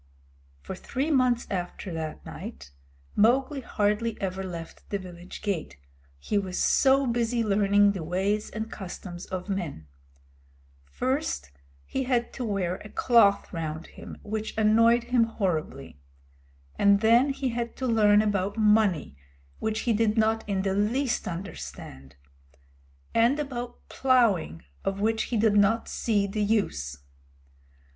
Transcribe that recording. For three months after that night Mowgli hardly ever left the village gate, he was so busy learning the ways and customs of men. First he had to wear a cloth round him, which annoyed him horribly; and then he had to learn about money, which he did not in the least understand, and about plowing, of which he did not see the use.